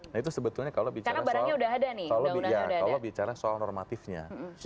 nah itu sebetulnya kalau bicara soal normatifnya